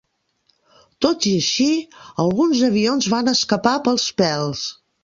Tot i així, alguns avions van escapar pels pèls.